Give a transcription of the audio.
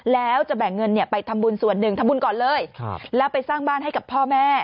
แล้วจะแบ่งเงินไปทำบุญส่วนหนึ่งทำบุญก่อนเลยแล้วไปสร้างบ้านให้กับพ่อแม่